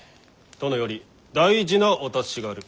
殿より大事なお達しがある。